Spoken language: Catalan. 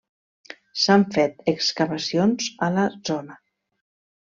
S'han fet excavacions a la zona.